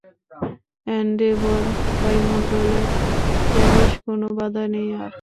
Endeavour, বায়ুমন্ডলে প্রবেশে কোনও বাধা নেই আর।